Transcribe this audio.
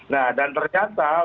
nah dan ternyata